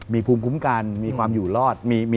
มีภูมิคุ้มกันมีความอยู่รอด